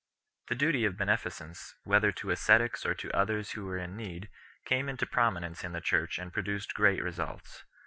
The duty of beneficence, whether to ascetics or to others who were in need, came into prominence in the Church and produced great results.